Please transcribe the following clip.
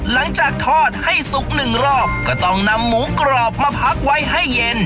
หลังจากทอดให้สุกหนึ่งรอบก็ต้องนำหมูกรอบมาพักไว้ให้เย็น